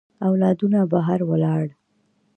اولادونه بهر ولاړ.